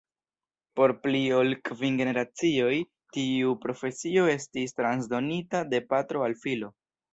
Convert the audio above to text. Por pli ol kvin generacioj tiu profesio estis transdonita de patro al filo.